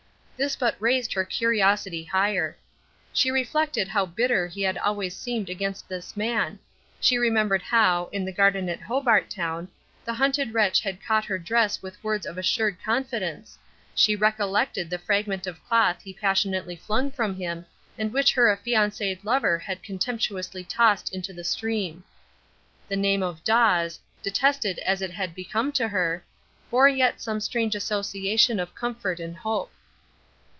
This but raised her curiosity higher. She reflected how bitter he had always seemed against this man she remembered how, in the garden at Hobart Town, the hunted wretch had caught her dress with words of assured confidence she recollected the fragment of cloth he passionately flung from him, and which her affianced lover had contemptuously tossed into the stream. The name of "Dawes", detested as it had become to her, bore yet some strange association of comfort and hope.